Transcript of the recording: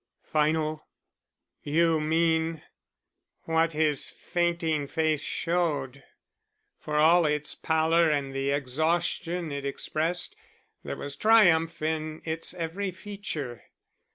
"Final? You mean " "What his fainting face showed. For all its pallor and the exhaustion it expressed, there was triumph in its every feature.